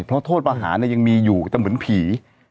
เพราะโทษประหารยังมีอยู่แต่เหมือนผี